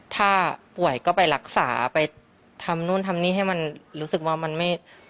ถ้าป่วยก็ไปรักษาไปทำนู่นทำนี่ให้มันรู้สึกว่ามันไม่